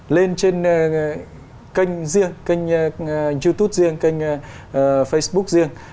lên trên kênh riêng kênh youtube riêng kênh facebook riêng